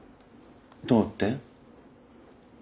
どうって？